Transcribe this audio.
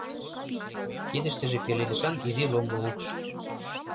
Кидыштыже пеледышан изи ломбо укш.